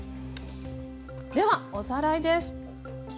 ではおさらいです。